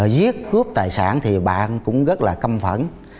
giết cướp tài sản thì bạn cũng rất là căm phẫn